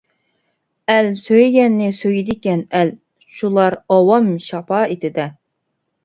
ئەل سۆيگەننى سۆيىدىكەن ئەل، شۇلار ئاۋام شاپائىتىدە.